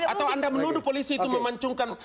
atau anda menuduh polisi itu memacungkan